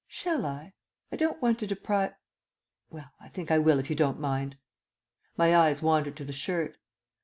"Shall I? I don't want to deprive Well, I think I will if you don't mind." My eyes wandered to the shirt.